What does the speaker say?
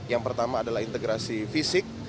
yang pertama adalah integrasi fisik